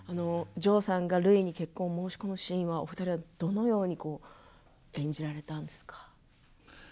ジョーさんがるいに結婚を申し込むシーンは、お二人はどのように演じられたんですか？